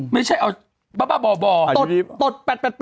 ไม่ใช่เอาบ่อตด๘๘๘